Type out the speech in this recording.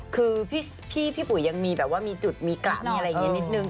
คือพี่ปุ๋ยยังมีแบบว่ามีจุดมีกะมีอะไรอย่างนี้นิดนึง